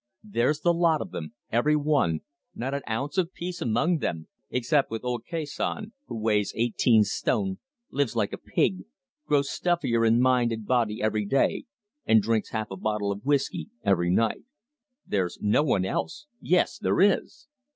There's the lot of them every one, not an ounce of peace among them, except with old Casson, who weighs eighteen stone, lives like a pig, grows stuffier in mind and body every day, and drinks half a bottle of whiskey every night. There's no one else yes, there is!"